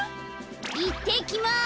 いってきます！